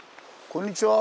こんにちは。